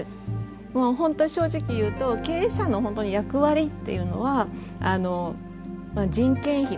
もう本当は正直言うと経営者の役割っていうのはあの人件費